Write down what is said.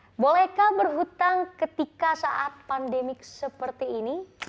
nah bolehkah berhutang ketika saat pandemik seperti ini